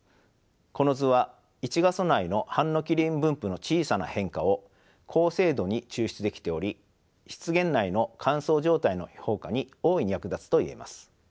この図は１画素内のハンノキ林分布の小さな変化を高精度に抽出できており湿原内の乾燥状態の評価に大いに役立つといえます。